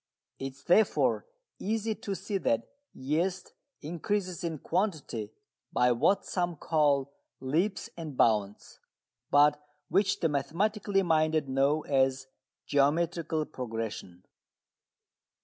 It is therefore easy to see that yeast increases in quantity by what some call "leaps and bounds," but which the mathematically minded know as geometrical progression.